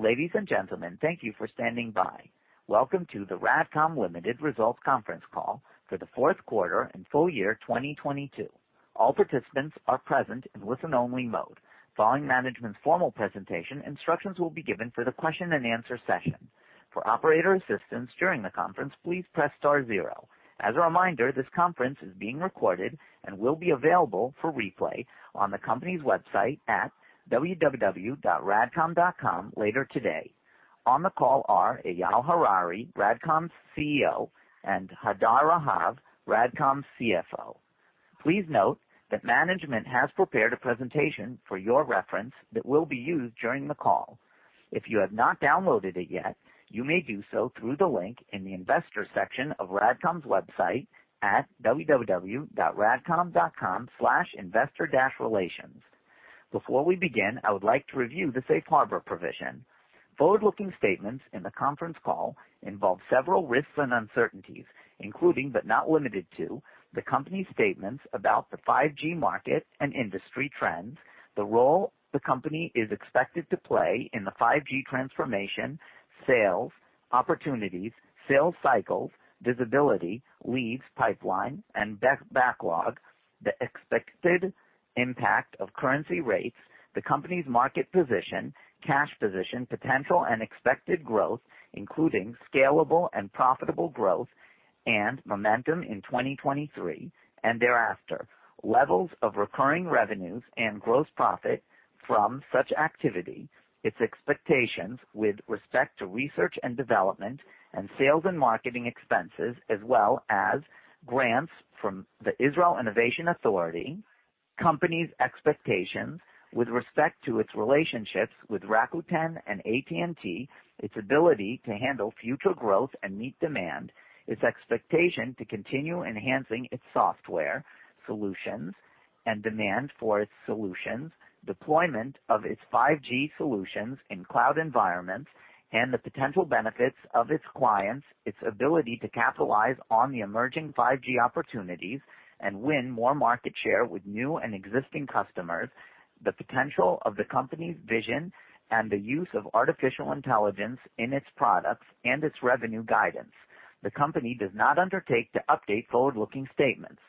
Ladies and gentlemen, thank you for standing by. Welcome to the RADCOM Ltd. Results Conference Call for the fourth quarter and full year 2022. All participants are present in listen-only mode. Following management's formal presentation, instructions will be given for the question-and-answer session. For operator assistance during the conference, please press star zero. As a reminder, this conference is being recorded and will be available for replay on the company's website at www.radcom.com later today. On the call are Eyal Harari, RADCOM's CEO, and Hadar Rahav, RADCOM's CFO. Please note that management has prepared a presentation for your reference that will be used during the call. If you have not downloaded it yet, you may do so through the link in the investor section of RADCOM's website at www.radcom.com/investor-relations. Before we begin, I would like to review the safe harbor provision. Forward-looking statements in the conference call involve several risks and uncertainties, including but not limited to the company's statements about the 5G market and industry trends, the role the company is expected to play in the 5G transformation, sales, opportunities, sales cycles, visibility, leads, pipeline, and best backlog, the expected impact of currency rates, the company's market position, cash position, potential and expected growth, including scalable and profitable growth and momentum in 2023 and thereafter, levels of recurring revenues and gross profit from such activity, its expectations with respect to research and development and sales and marketing expenses, as well as grants from the Israel Innovation Authority, company's expectations with respect to its relationships with Rakuten and AT&T, its ability to handle future growth and meet demand, its expectation to continue enhancing its software solutions and demand for its solutions, deployment of its 5G solutions in cloud environments, and the potential benefits of its clients, its ability to capitalize on the emerging 5G opportunities and win more market share with new and existing customers, the potential of the company's vision and the use of artificial intelligence in its products and its revenue guidance. The company does not undertake to update forward-looking statements.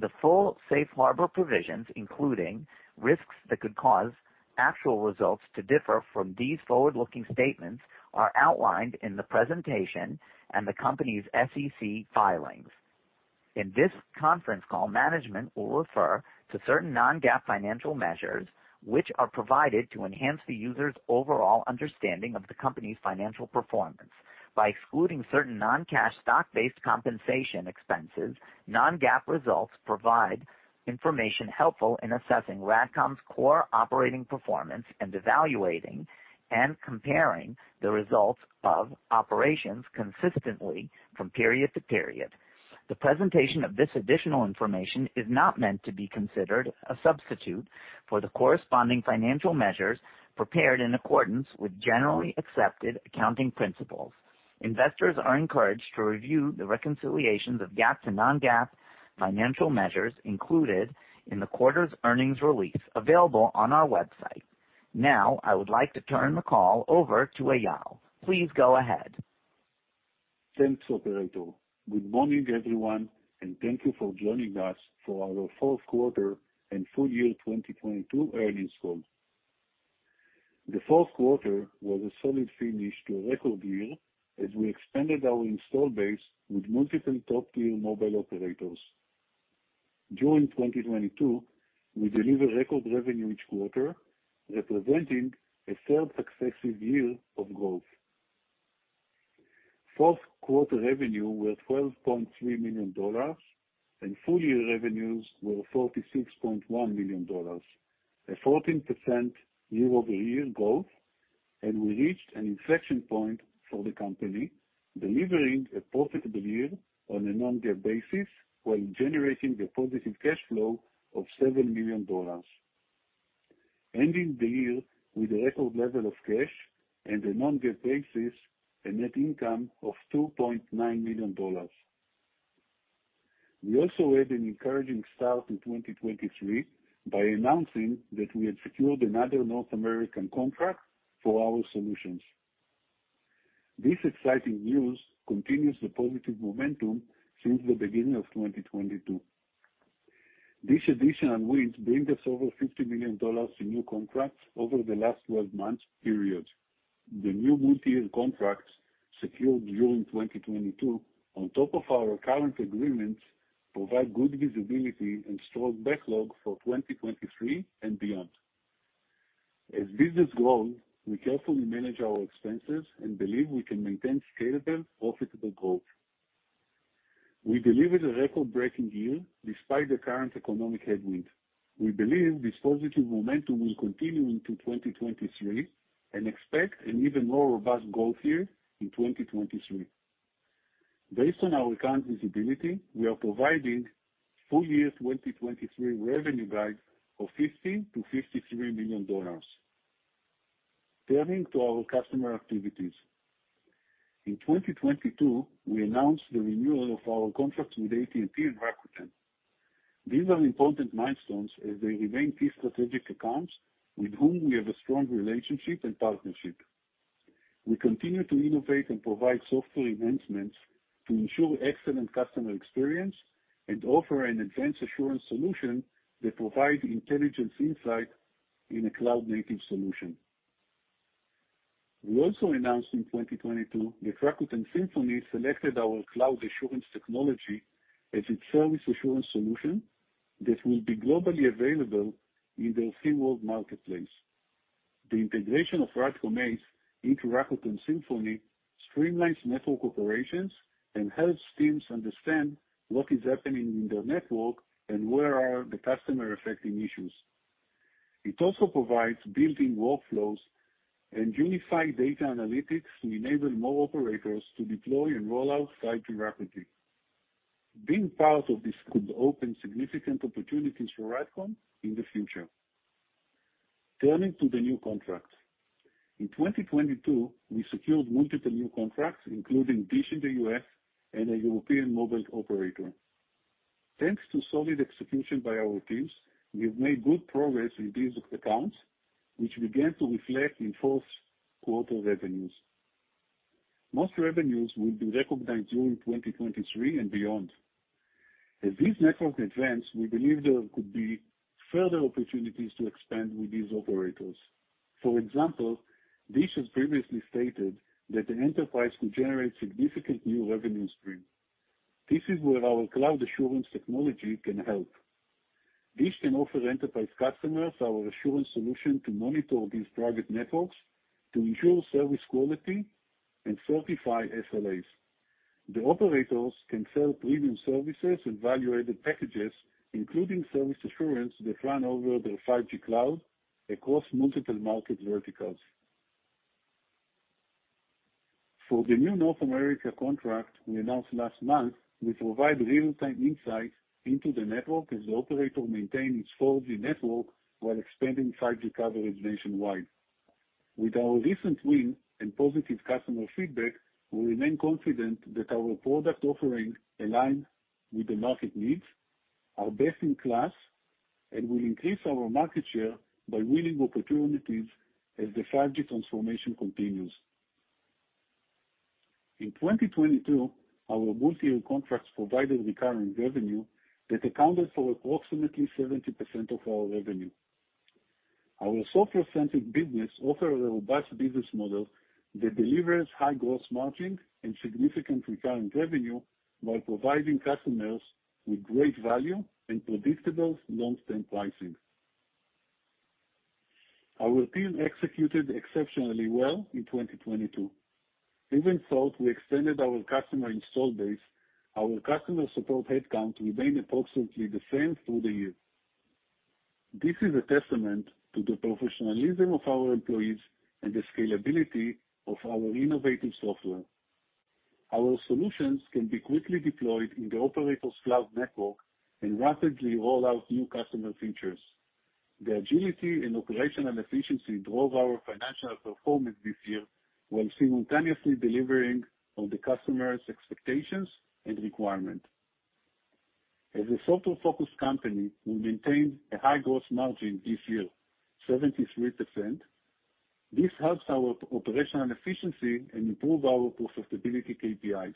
The full safe harbor provisions, including risks that could cause actual results to differ from these forward-looking statements, are outlined in the presentation and the company's SEC filings. In this conference call, management will refer to certain non-GAAP financial measures, which are provided to enhance the user's overall understanding of the company's financial performance. By excluding certain non-cash stock-based compensation expenses, non-GAAP results provide information helpful in assessing RADCOM's core operating performance and evaluating and comparing the results of operations consistently from period to period. The presentation of this additional information is not meant to be considered a substitute for the corresponding financial measures prepared in accordance with generally accepted accounting principles. Investors are encouraged to review the reconciliations of GAAP to non-GAAP financial measures included in the quarter's earnings release available on our website. I would like to turn the call over to Eyal. Please go ahead. Thanks, operator. Good morning, everyone. Thank you for joining us for our fourth quarter and full year 2022 earnings call. The fourth quarter was a solid finish to a record year as we expanded our install base with multiple top-tier mobile operators. During 2022, we delivered record revenue each quarter, representing a third successive year of growth. Fourth quarter revenue was $12.3 million, and full-year revenues were $46.1 million, a 14% year-over-year growth. We reached an inflection point for the company, delivering a profitable year on a non-GAAP basis while generating a positive cash flow of $7 million, ending the year with a record level of cash and a non-GAAP basis and net income of $2.9 million. We also had an encouraging start in 2023 by announcing that we had secured another North American contract for our solutions. This exciting news continues the positive momentum since the beginning of 2022. This additional win brings us over $50 million in new contracts over the last 12 months period. The new multi-year contracts secured during 2022 on top of our current agreements provide good visibility and strong backlog for 2023 and beyond. As business grows, we carefully manage our expenses and believe we can maintain scalable, profitable growth. We delivered a record-breaking year despite the current economic headwind. We believe this positive momentum will continue into 2023 and expect an even more robust growth year in 2023. Based on our current visibility, we are providing full year 2023 revenue guide of $50 million-$53 million. Turning to our customer activities. In 2022, we announced the renewal of our contract with AT&T and Rakuten. These are important milestones as they remain key strategic accounts with whom we have a strong relationship and partnership. We continue to innovate and provide software enhancements to ensure excellent customer experience and offer an advanced assurance solution that provide intelligence insight in a cloud-native solution. We also announced in 2022 that Rakuten Symphony selected our cloud assurance technology as its service assurance solution that will be globally available in their Symworld marketplace. The integration of RADCOM ACE into Rakuten Symphony streamlines network operations and helps teams understand what is happening in their network and where are the customer-affecting issues. It also provides built-in workflows and unified data analytics to enable more operators to deploy and roll out 5G rapidly. Being part of this could open significant opportunities for RADCOM in the future. Turning to the new contracts. In 2022, we secured multiple new contracts, including DISH in the U.S. and a European mobile operator. Thanks to solid execution by our teams, we have made good progress with these accounts, which began to reflect in fourth quarter revenues. Most revenues will be recognized during 2023 and beyond. As these networks advance, we believe there could be further opportunities to expand with these operators. For example, DISH has previously stated that the enterprise could generate significant new revenue stream. This is where our cloud assurance technology can help. DISH can offer enterprise customers our assurance solution to monitor these private networks to ensure service quality and certify SLAs. The operators can sell premium services and value-added packages, including service assurance that run over their 5G cloud across multiple market verticals. For the new North America contract we announced last month, we provide real-time insight into the network as the operator maintains its 4G network while expanding 5G coverage nationwide. With our recent win and positive customer feedback, we remain confident that our product offering align with the market needs, are best in class, and will increase our market share by winning opportunities as the 5G transformation continues. In 2022, our multi-year contracts provided recurring revenue that accounted for approximately 70% of our revenue. Our software-centric business offer a robust business model that delivers high gross margin and significant recurring revenue, while providing customers with great value and predictable long-term pricing. Our team executed exceptionally well in 2022. Even so, we extended our customer install base. Our customer support headcount remained approximately the same through the year. This is a testament to the professionalism of our employees and the scalability of our innovative software. Our solutions can be quickly deployed in the operator's cloud network and rapidly roll out new customer features. The agility and operational efficiency drove our financial performance this year, while simultaneously delivering on the customer's expectations and requirement. As a software-focused company, we maintained a high gross margin this year, 73%. This helps our operational efficiency and improve our profitability KPIs.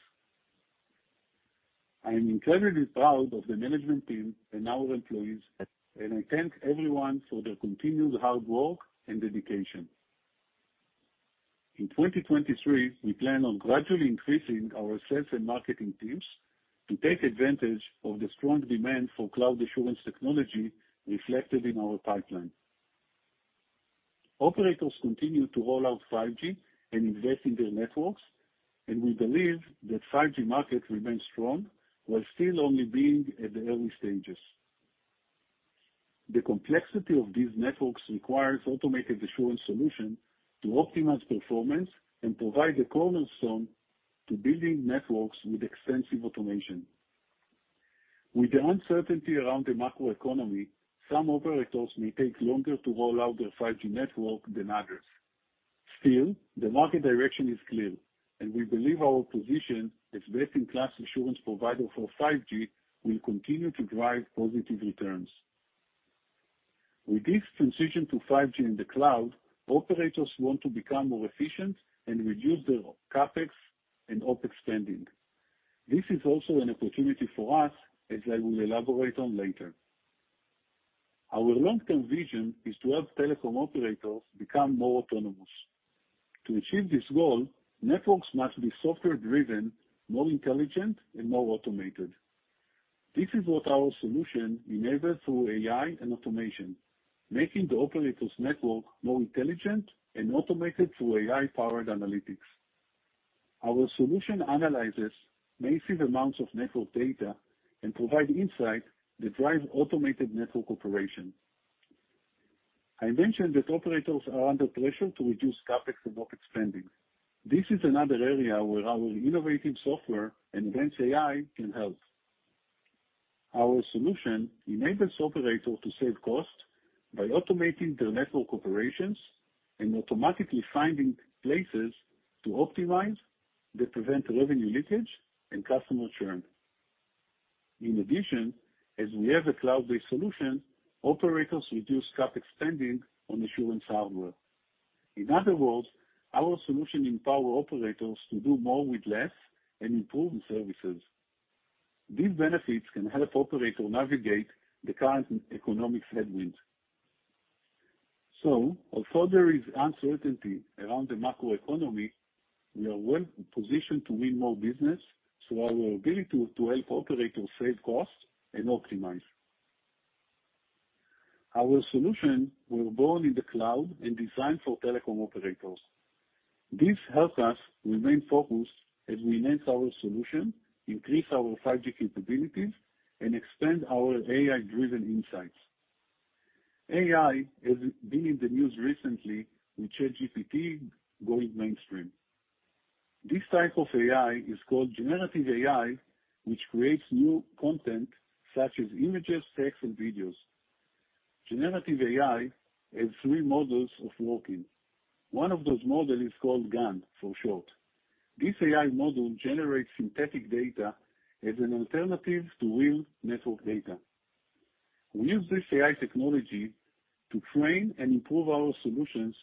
I am incredibly proud of the management team and our employees, and I thank everyone for their continued hard work and dedication. In 2023, we plan on gradually increasing our sales and marketing teams to take advantage of the strong demand for cloud assurance technology reflected in our pipeline. Operators continue to roll out 5G and invest in their networks. We believe that 5G market remains strong, while still only being at the early stages. The complexity of these networks requires automated assurance solution to optimize performance and provide the cornerstone to building networks with extensive automation. With the uncertainty around the macroeconomy, some operators may take longer to roll out their 5G network than others. The market direction is clear. We believe our position as best-in-class assurance provider for 5G will continue to drive positive returns. With this transition to 5G in the cloud, operators want to become more efficient and reduce their CapEx and OpEx spending. This is also an opportunity for us, as I will elaborate on later. Our long-term vision is to have telecom operators become more autonomous. To achieve this goal, networks must be software-driven, more intelligent, and more automated. This is what our solution enables through AI and automation, making the operator's network more intelligent and automated through AI-powered analytics. Our solution analyzes massive amounts of network data and provide insight that drive automated network operation. I mentioned that operators are under pressure to reduce CapEx and OpEx spending. This is another area where our innovative software and advanced AI can help. Our solution enables operator to save costs by automating their network operations and automatically finding places to optimize that prevent revenue leakage and customer churn. In addition, as we have a cloud-based solution, operators reduce cap expanding on assurance hardware. In other words, our solution empower operators to do more with less and improve services. These benefits can help operator navigate the current economic headwinds. Although there is uncertainty around the macroeconomy, we are well positioned to win more business through our ability to help operators save costs and optimize. Our solution were born in the cloud and designed for telecom operators. This helps us remain focused as we enhance our solution, increase our 5G capabilities, and expand our AI-driven insights. AI has been in the news recently with ChatGPT going mainstream. This type of AI is called generative AI, which creates new content such as images, text, and videos. Generative AI has three models of working. One of those model is called GAN for short. This AI model generates synthetic data as an alternative to real network data. We use this AI technology to train and improve our solutions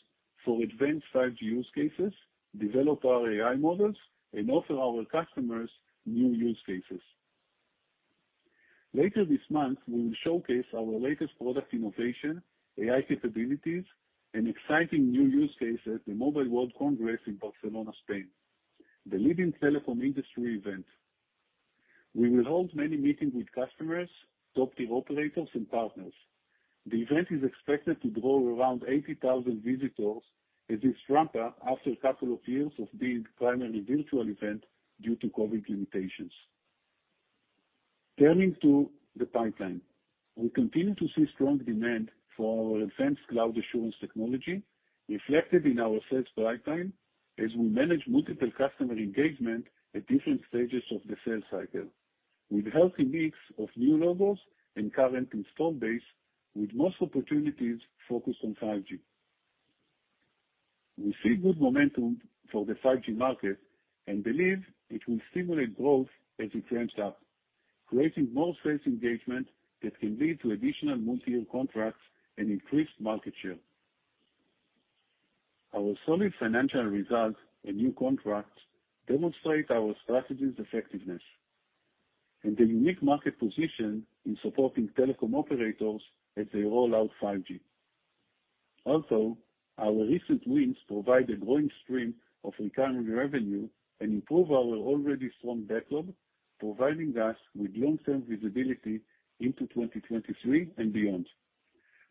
for advanced 5G use cases, develop our AI models, and offer our customers new use cases. Later this month, we will showcase our latest product innovation, AI capabilities, and exciting new use cases at the Mobile World Congress in Barcelona, Spain, the leading telephone industry event. We will hold many meetings with customers, top tier operators and partners. The event is expected to draw around 80,000 visitors as it's ramped up after a couple of years of being primarily virtual event due to COVID limitations. Turning to the pipeline. We continue to see strong demand for our advanced cloud assurance technology reflected in our sales pipeline as we manage multiple customer engagement at different stages of the sales cycle, with a healthy mix of new logos and current installed base, with most opportunities focused on 5G. We see good momentum for the 5G market and believe it will stimulate growth as it ramps up, creating more sales engagement that can lead to additional multi-year contracts and increased market share. Our solid financial results and new contracts demonstrate our strategy's effectiveness and a unique market position in supporting telecom operators as they roll out 5G. Our recent wins provide a growing stream of recurring revenue and improve our already strong backlog, providing us with long-term visibility into 2023 and beyond.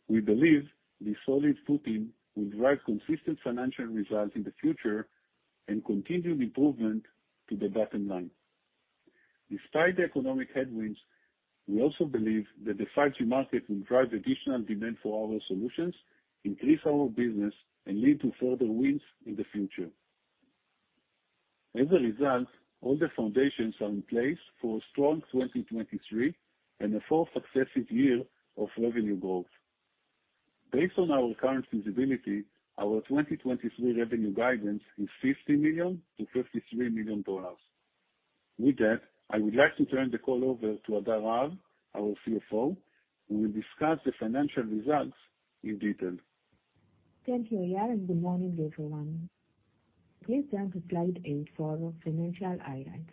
We believe this solid footing will drive consistent financial results in the future and continued improvement to the bottom line. Despite the economic headwinds, we also believe that the 5G market will drive additional demand for our solutions, increase our business, and lead to further wins in the future. As a result, all the foundations are in place for a strong 2023 and a 4th successive year of revenue growth. Based on our current visibility, our 2023 revenue guidance is $50 million-$53 million. With that, I would like to turn the call over to Hadar Rahav, our CFO, who will discuss the financial results in detail. Thank you, Eyal. Good morning, everyone. Please turn to slide 8 for our financial highlights.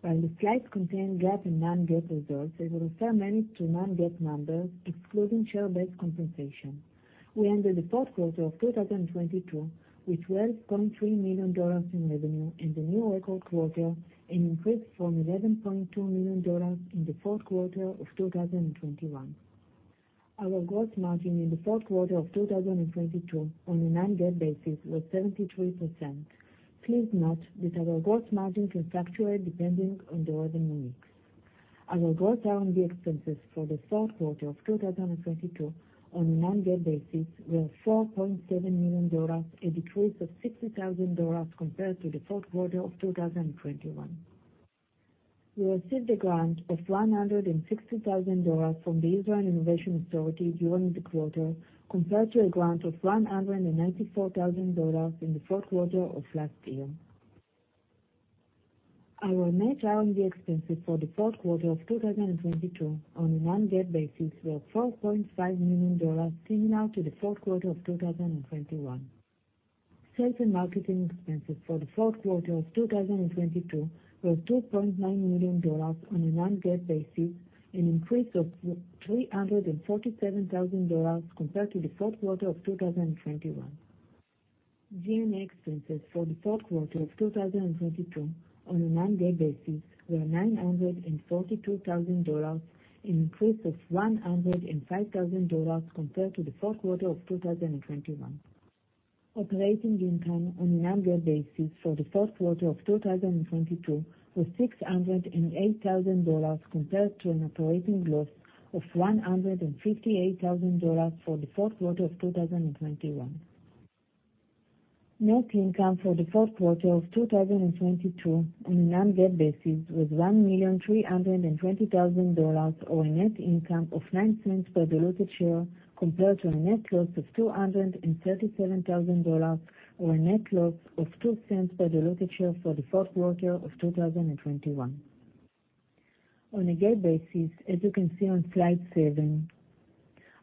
While the slides contain GAAP and non-GAAP results, I will refer mainly to non-GAAP numbers excluding share-based compensation. We ended the fourth quarter of 2022 with $12.3 million in revenue and a new record quarter, an increase from $11.2 million in the fourth quarter of 2021. Our gross margin in the fourth quarter of 2022 on a non-GAAP basis was 73%. Please note that our gross margin can fluctuate depending on the revenue mix. Our gross R&D expenses for the fourth quarter of 2022 on a non-GAAP basis were $4.7 million, a decrease of $60,000 compared to the fourth quarter of 2021. We received a grant of $160,000 from the Israel Innovation Authority during the quarter, compared to a grant of $194,000 in the fourth quarter of last year. Our net R&D expenses for the fourth quarter of 2022 on a non-GAAP basis were $4.5 million, similar to the fourth quarter of 2021. Sales and marketing expenses for the fourth quarter of 2022 were $2.9 million on a non-GAAP basis, an increase of $347,000 compared to the fourth quarter of 2021. G&A expenses for the fourth quarter of 2022 on a non-GAAP basis were $942,000, an increase of $105,000 compared to the fourth quarter of 2021. Operating income on a non-GAAP basis for the fourth quarter of 2022 was $608,000 compared to an operating loss of $158,000 for the fourth quarter of 2021. Net income for the fourth quarter of 2022 on a non-GAAP basis was $1,320,000, or a net income of $0.09 per diluted share, compared to a net loss of $237,000 or a net loss of $0.02 per diluted share for the fourth quarter of 2021. On a GAAP basis, as you can see on Slide seven,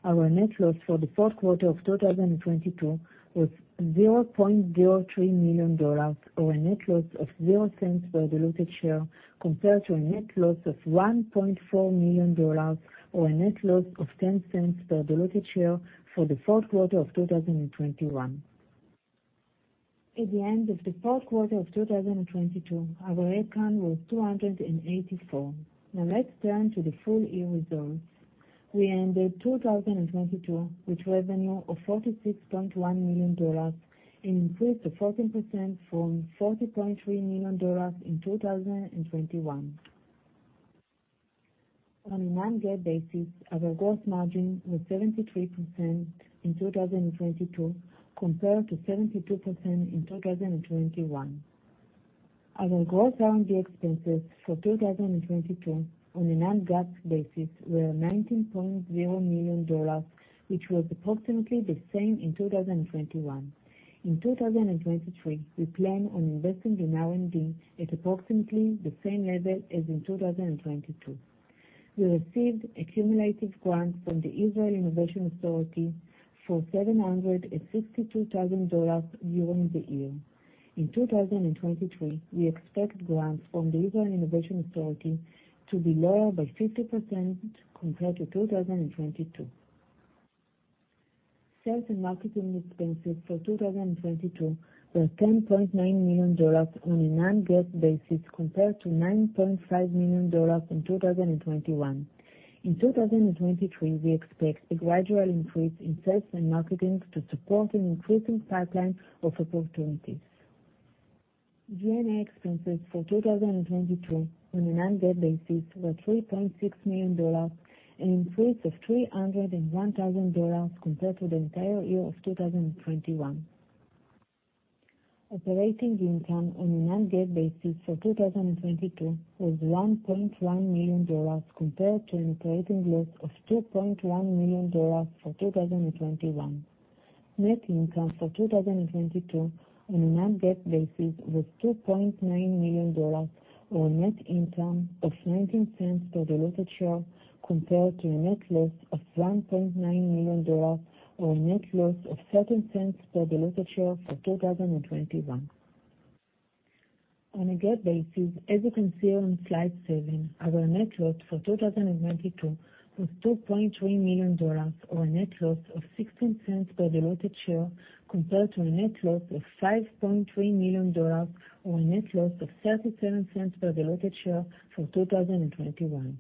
our net loss for the fourth quarter of 2022 was $0.03 million or a net loss of $0 per diluted share compared to a net loss of $1.4 million or a net loss of $0.10 per diluted share for the fourth quarter of 2021. At the end of the fourth quarter of 2022, our head count was 284. Let's turn to the full year results. We ended 2022 with revenue of $46.1 million, an increase of 14% from $40.3 million in 2021. On a non-GAAP basis, our gross margin was 73% in 2022, compared to 72% in 2021. Our gross R&D expenses for 2022 on a non-GAAP basis were $19.0 million, which was approximately the same in 2021. In 2023, we plan on investing in R&D at approximately the same level as in 2022. We received a cumulative grant from the Israel Innovation Authority for $762,000 during the year. In 2023, we expect grants from the Israel Innovation Authority to be lower by 50% compared to 2022. Sales and marketing expenses for 2022 were $10.9 million on a non-GAAP basis, compared to $9.5 million in 2021. In 2023, we expect a gradual increase in sales and marketing to support an increasing pipeline of opportunities. G&A expenses for 2022 on a non-GAAP basis were $3.6 million, an increase of $301,000 compared to the entire year of 2021. Operating income on a non-GAAP basis for 2022 was $1.1 million compared to an operating loss of $2.1 million for 2021. Net income for 2022 on a non-GAAP basis was $2.9 million or a net income of $0.19 per diluted share compared to a net loss of $1.9 million or a net loss of $0.13 per diluted share for 2021. On a GAAP basis, as you can see on slide seven, our net loss for 2022 was $2.3 million or a net loss of $0.16 per diluted share, compared to a net loss of $5.3 million or a net loss of $0.37 per diluted share for 2021.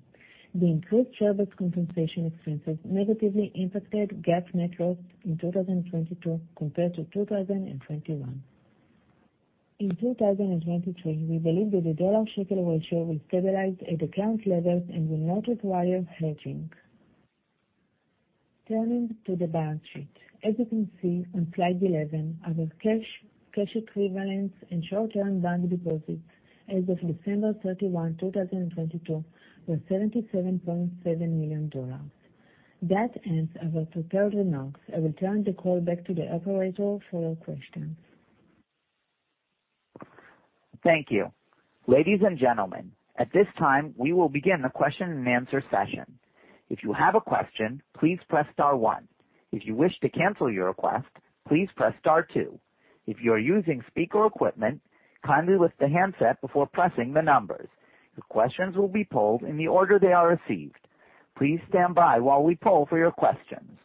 The increased share-based compensation expenses negatively impacted GAAP net loss in 2022 compared to 2021. In 2023, we believe that the dollar shekel ratio will stabilize at the current levels and will not require hedging. Turning to the balance sheet. As you can see on slide 11, our cash equivalents and short-term bank deposits as of December 31, 2022, were $77.7 million. That ends our prepared remarks. I return the call back to the operator for your questions. Thank you. Ladies and gentlemen, at this time, we will begin the question-and-answer session. If you have a question, please press star one. If you wish to cancel your request, please press star two. If you are using speaker equipment, kindly lift the handset before pressing the numbers. The questions will be polled in the order they are received. Please stand by while we poll for your questions.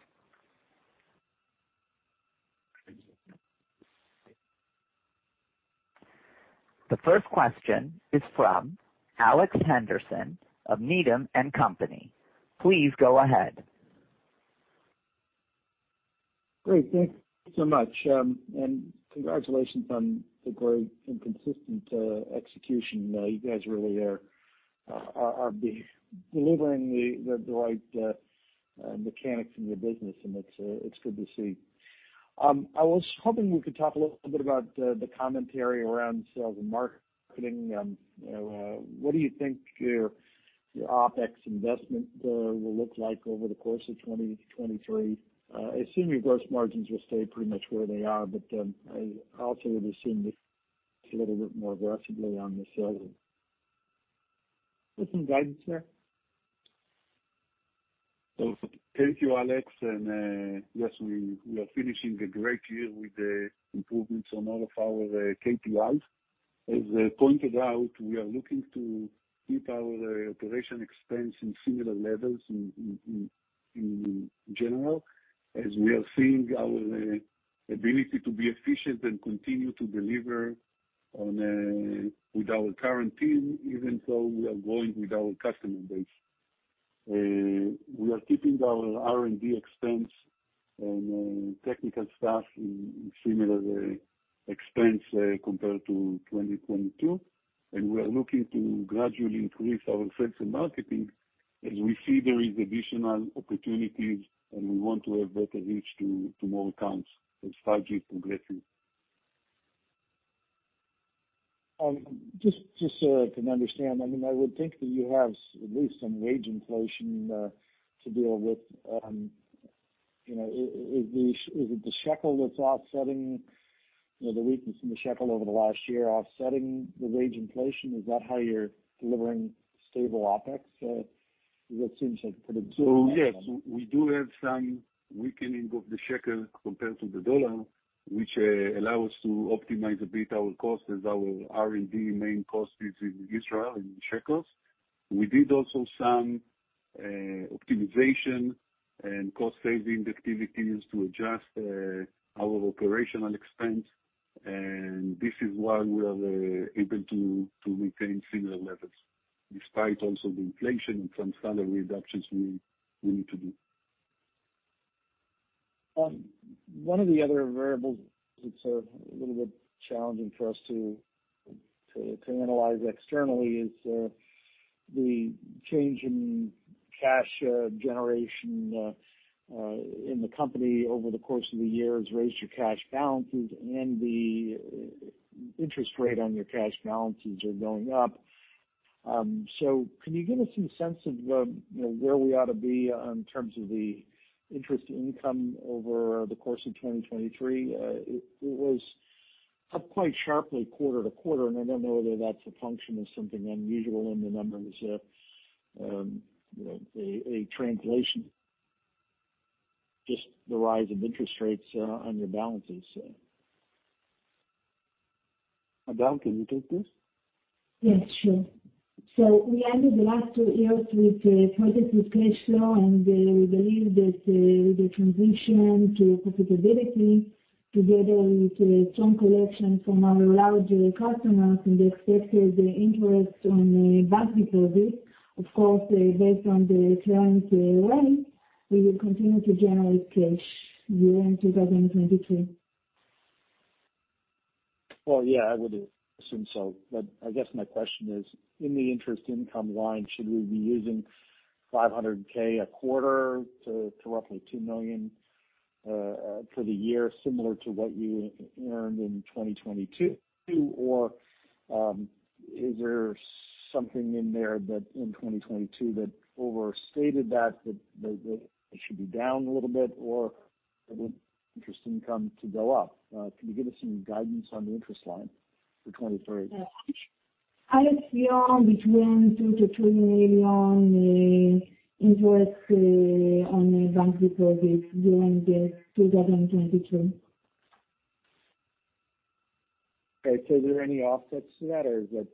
The first question is from Alex Henderson of Needham & Company. Please go ahead. Great. Thank you so much. Congratulations on the great and consistent execution. You guys really are delivering the right mechanics in your business, and it's good to see. I was hoping we could talk a little bit about the commentary around sales and marketing. What do you think your OpEx investment will look like over the course of 2023? Assuming your gross margins will stay pretty much where they are, but I also would assume a little bit more aggressively on the sales. Just some guidance there. Thank you, Alex. Yes, we are finishing a great year with the improvements on all of our KPIs. As I pointed out, we are looking to keep our operation expense in similar levels in general, as we are seeing our ability to be efficient and continue to deliver on with our current team, even though we are growing with our customer base. We are keeping our R&D expense on technical staff in similar expense compared to 2022, and we are looking to gradually increase our sales and marketing. We see there is additional opportunities and we want to have better reach to more accounts as 5G progresses. Just so I can understand. I mean, I would think that you have at least some wage inflation to deal with. You know, is it the shekel that's offsetting, you know, the weakness in the shekel over the last year offsetting the wage inflation? Is that how you're delivering stable OpEx that seems like pretty good? Yes, we do have some weakening of the shekel compared to the dollar, which allow us to optimize a bit our costs as our R&D main cost is in Israel, in shekels. We did also some optimization and cost saving activities to adjust our operational expense. This is why we are able to maintain similar levels despite also the inflation and some salary reductions we need to do. One of the other variables it's a little bit challenging for us to analyze externally is the change in cash generation in the company over the course of the year has raised your cash balances and the interest rate on your cash balances are going up. Can you give us some sense of, you know, where we ought to be in terms of the interest income over the course of 2023? It was up quite sharply quarter to quarter, I don't know whether that's a function of something unusual in the numbers, you know, a translation, just the rise of interest rates on your balances. Adal, can you take this? Yes, sure. We ended the last two years with a positive cash flow. We believe that, with the transition to profitability together with a strong collection from our larger customers and the expected interest on the bank deposits, of course, based on the current rate, we will continue to generate cash during 2023. Well, yeah, I would assume so. I guess my question is, in the interest income line, should we be using 500K a quarter to roughly $2 million for the year similar to what you earned in 2022? Is there something in there that in 2022 that overstated that it should be down a little bit or interest income to go up? Can you give us some guidance on the interest line for 2023? I assume between $2 million-$3 million in interest, on the bank deposits during 2022. Okay. Are there any offsets to that or is that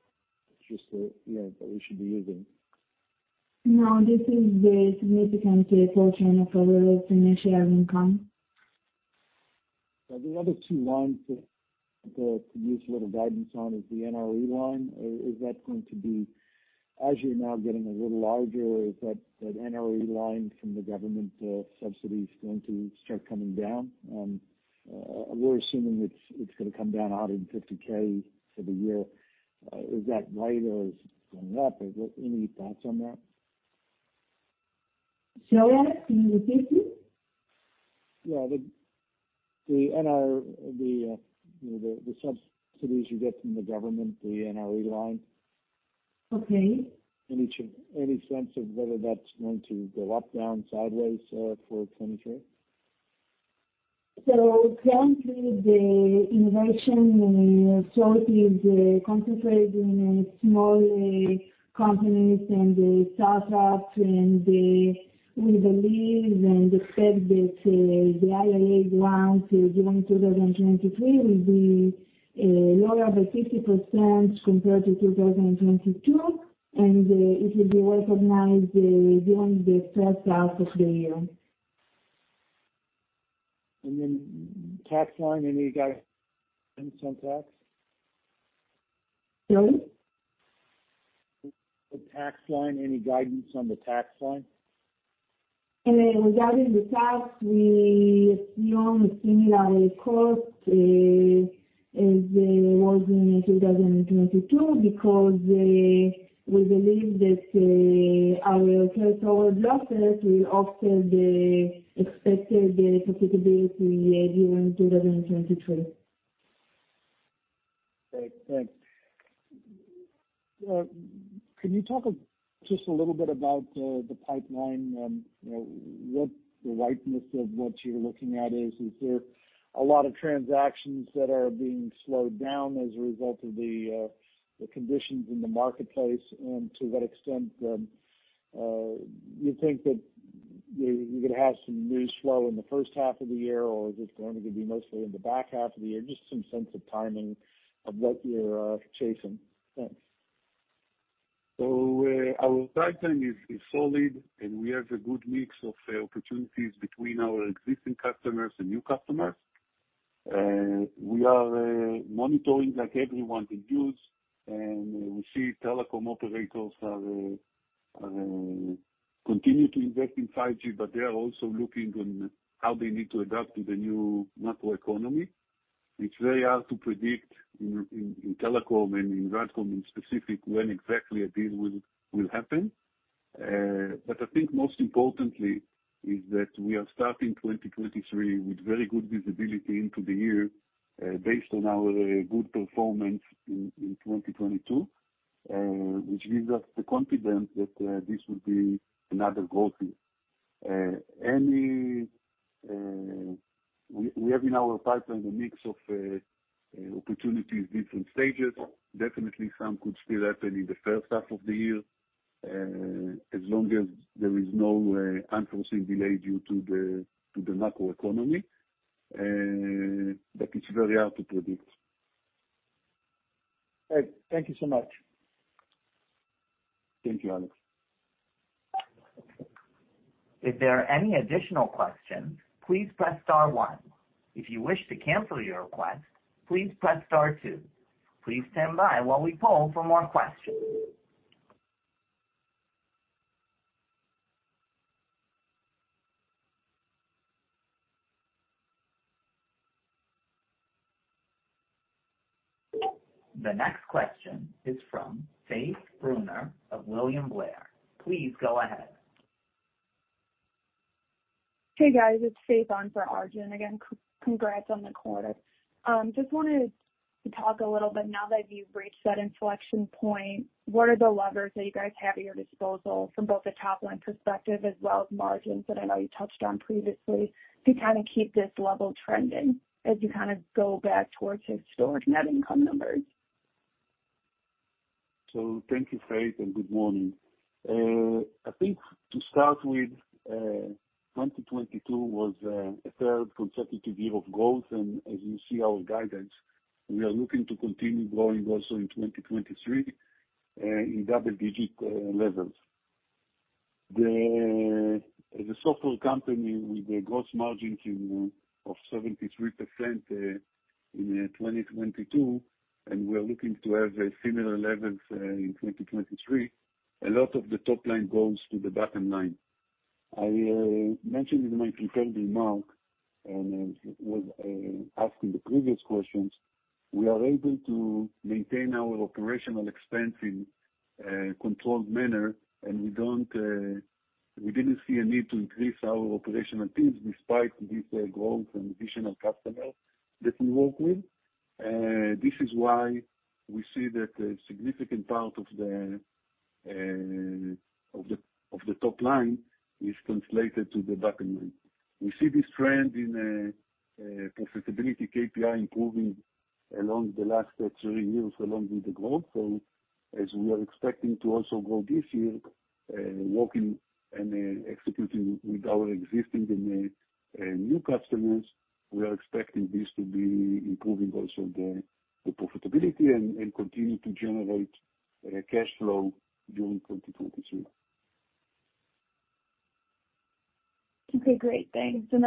just the, you know, that we should be using? This is the significant portion of our financial income. The other two lines to use a little guidance on is the NRE line. As you're now getting a little larger, is that NRE line from the government subsidies going to start coming down? We're assuming it's gonna come down $150K for the year. Is that right or is it going up? Is there any thoughts on that? Sorry, can you repeat please? Yeah. you know, the subsidies you get from the government, the NRE line. Okay. Any sense of whether that's going to go up, down, sideways, for 2023? currently the innovation sort is concentrated in small companies and startups, we believe and expect that the NRE grants during 2023 will be lower by 50% compared to 2022, it will be recognized during the first half of the year. Tax line, any guidance on tax? Sorry. The tax line, any guidance on the tax line? Regarding the tax, we assume a similar cost as there was in 2022 because we believe that our carry forward losses will offset the expected profitability during 2023. Great. Thanks. Can you talk just a little bit about the pipeline? You know, what the ripeness of what you're looking at is. Is there a lot of transactions that are being slowed down as a result of the conditions in the marketplace? To what extent you think that you're gonna have some new flow in the first half of the year, or is it going to be mostly in the back half of the year? Just some sense of timing of what you're chasing. Thanks. Our pipeline is solid, and we have a good mix of opportunities between our existing customers and new customers. We are monitoring like everyone the news, and we see telecom operators continue to invest in 5G, but they are also looking on how they need to adapt to the new macro economy. It's very hard to predict in telecom and in RADCOM in specific when exactly a deal will happen. I think most importantly is that we are starting 2023 with very good visibility into the year, based on our good performance in 2022, which gives us the confidence that this will be another growth year. We have in our pipeline a mix of opportunities, different stages. Definitely some could still happen in the first half of the year, as long as there is no unforeseen delay due to the macro economy, but it's very hard to predict. Great. Thank you so much. Thank you, Alex. If there are any additional questions, please press star one. If you wish to cancel your request, please press star two. Please stand by while we poll for more questions. The next question is from Faith Brunner of William Blair. Please go ahead. Hey, guys. It's Faith on for Arjun. Congrats on the quarter. Just wanted to talk a little bit now that you've reached that inflection point, what are the levers that you guys have at your disposal from both a top-line perspective as well as margins, that I know you touched on previously, to kind of keep this level trending as you kind of go back towards historic net income numbers? Thank you, Faith, and good morning. I think to start with, 2022 was a third consecutive year of growth. As you see our guidance, we are looking to continue growing also in 2023 in double-digit levels. As a software company with a gross margin of 73% in 2022, we are looking to have similar levels in 2023. A lot of the top line goes to the bottom line. I mentioned in my prepared remark. As was asked in the previous questions, we are able to maintain our operational expense in a controlled manner. We didn't see a need to increase our operational teams despite this growth and additional customers that we work with. This is why we see that a significant part of the top line is translated to the bottom line. We see this trend in profitability KPI improving along the last three years along with the growth. As we are expecting to also grow this year, working and executing with our existing and new customers, we are expecting this to be improving also the profitability and continue to generate cash flow during 2023. Okay. Great. Thanks. Then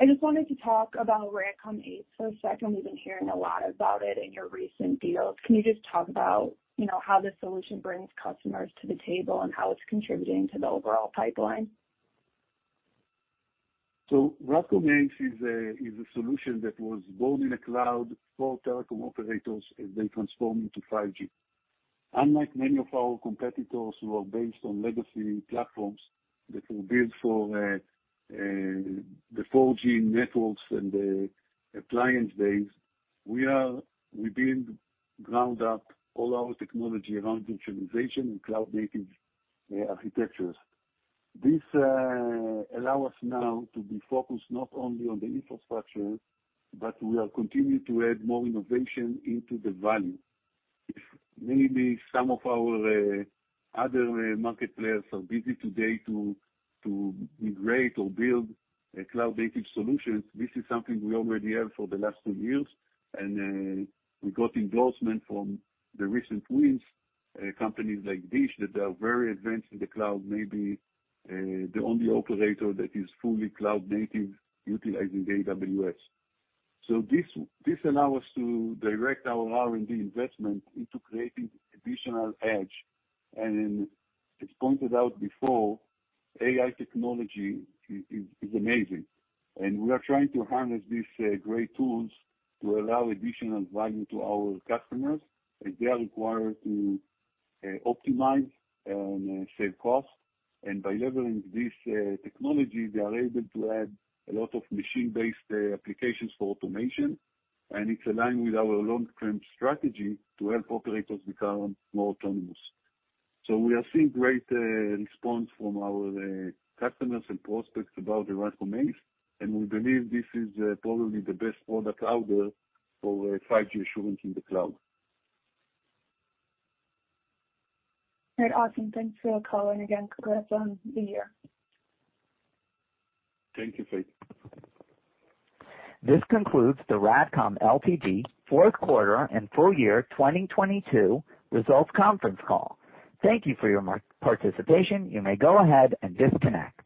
I just wanted to talk about RADCOM ACE for a second. We've been hearing a lot about it in your recent deals. Can you just talk about, you know, how the solution brings customers to the table and how it's contributing to the overall pipeline? RADCOM ACE is a solution that was built in the cloud for telecom operators as they transform into 5G. Unlike many of our competitors who are based on legacy platforms that were built for the 4G networks and the appliance base, we build ground up all our technology around virtualization and cloud-native architectures. This allow us now to be focused not only on the infrastructure, but we are continuing to add more innovation into the value. If maybe some of our other market players are busy today to integrate or build a cloud-native solution, this is something we already have for the last two years. We got endorsement from the recent wins, companies like DISH, that they are very advanced in the cloud, maybe, the only operator that is fully cloud-native utilizing AWS. This allow us to direct our R&D investment into creating additional edge. As pointed out before, AI technology is amazing, and we are trying to harness these great tools to allow additional value to our customers as they are required to optimize and save costs. By leveraging this technology, they are able to add a lot of machine-based applications for automation, and it's aligned with our long-term strategy to help operators become more autonomous. We are seeing great response from our customers and prospects about the RADCOM ACE, and we believe this is probably the best product out there for 5G assurance in the cloud. All right. Awesome. Thanks for calling. Again, congrats on the year. Thank you, Faith. This concludes the RADCOM Ltd. fourth quarter and full year 2022 results conference call. Thank you for your participation. You may go ahead and disconnect.